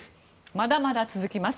まだまだ続きます。